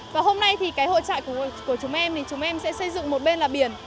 và hôm nay thì hội trại của chúng em sẽ xây dựng một bên là biển